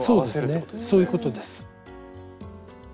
そういうことです。